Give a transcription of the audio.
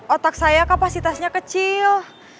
otak saya kapasitasnya kecil